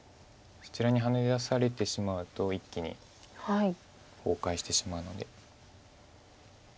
そちらにハネ出されてしまうと一気に崩壊してしまうので。